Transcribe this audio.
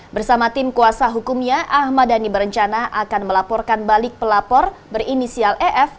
bersama tim kuasa hukumnya ahmad dhani berencana akan melaporkan balik pelapor berinisial ef